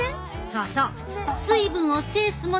そうそう。